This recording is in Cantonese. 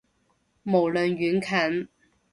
無論遠近